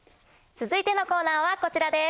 続いてのコーナーはこちらです。